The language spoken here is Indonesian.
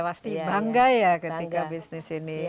pasti bangga ya ketika bisnis ini